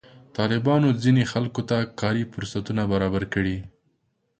طالبانو ځینې خلکو ته کار فرصتونه برابر کړي.